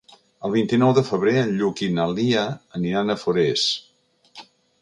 El vint-i-nou de febrer en Lluc i na Lia aniran a Forès.